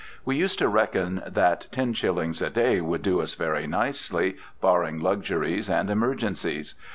We used to reckon that ten shillings a day would do us very nicely, barring luxuries and emergencies.